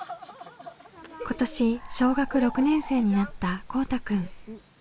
今年小学６年生になったこうたくん。